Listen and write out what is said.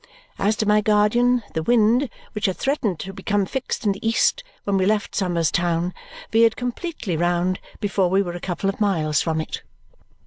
As to my guardian, the wind, which had threatened to become fixed in the east when we left Somers Town, veered completely round before we were a couple of miles from it.